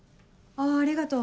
あありがとう。